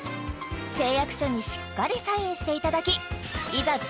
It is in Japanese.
誓約書にしっかりサインしていただきいざ